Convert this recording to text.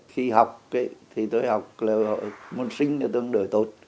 khi học thì tôi học là môn sinh tương đối tốt